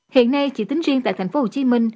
hiện nay chỉ tính riêng tại thành phố hồ chí minh